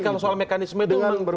kalau soal mekanisme itu